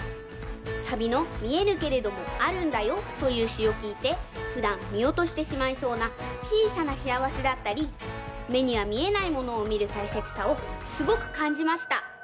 サビの「見えぬけれどもあるんだよ」というしをきいてふだんみおとしてしまいそうなちいさなしあわせだったりめにはみえないものをみるたいせつさをすごくかんじました。